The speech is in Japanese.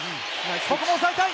ここも抑えたい！